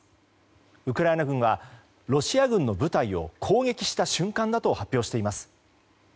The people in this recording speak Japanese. ウクライナ軍はロシア軍の部隊を攻撃した瞬間だと発表しています。